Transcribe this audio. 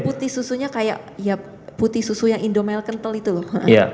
putih susunya kayak ya putih susu yang indomail kental itu loh